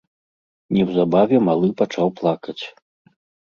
Неўзабаве малы пачаў плакаць.